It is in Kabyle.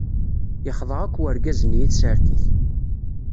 Yexḍa akk wergaz-nni i tsertit.